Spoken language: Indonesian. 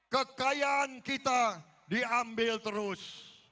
kekayaan kita diambil terus